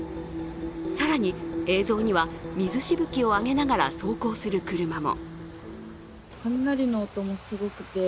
更に映像には水しぶきを上げながら走行する車も。